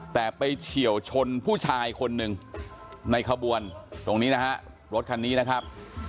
แต่ไปเฉียวชนผู้ชายคนหนึ่งในขบวนตรงนี้นะฮะรถคันนี้นะครับ